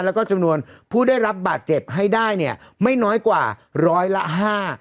แล้วก็จำนวนผู้ได้รับบาดเจ็บให้ได้เนี่ยไม่น้อยกว่าร้อยละห้า